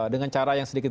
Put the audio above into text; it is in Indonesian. dengan cara yang sedikit